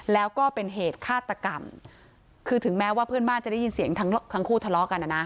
แล้วก็เป็นเหตุฆาตกรรมคือถึงแม้ว่าเพื่อนบ้านจะได้ยินเสียงทั้งคู่ทะเลาะกันนะนะ